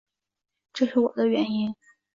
这是我的原因